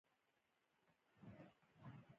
هېواد ته مهذب خلک پکار دي